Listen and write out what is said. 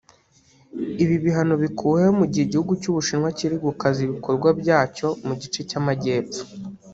Ibi bihano bikuweho mu gihe igihugu cy’u Bushinwa kiri gukaza ibikorwa byacyo mu gice cy’Amajyepfo